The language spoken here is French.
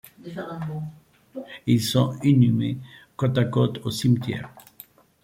Ils sont inhumées côte à côte au cimetière.